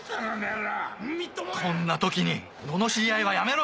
こんな時にののしり合いはやめろ！